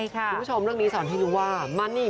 คุณผู้ชมเรื่องนี้สอนให้รู้ว่ามันนี่